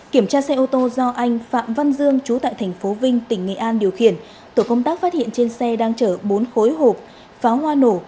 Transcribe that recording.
kiểm tra xe ô tô do anh phạm văn dương trú tại tp vinh tỉnh nghệ an điều khiển tổ công tác phát hiện trên xe đang chở bốn khối hộp pháo hoa nổ